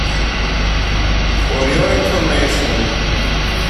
For your information.